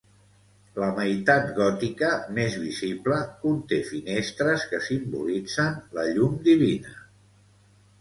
La meitat gòtica, més visible, conté finestres que simbolitzen la llum divina.